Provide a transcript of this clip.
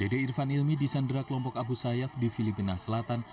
dede irfan ilmi di sandra kelompok abu sayyaf di filipina selatan